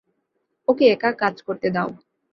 ওকে একা কাজ করতে দাও।